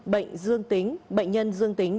bệnh dương tính bệnh nhân dương tính